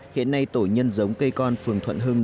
hiện nay tổ nhân giống cây con phường thuận hưng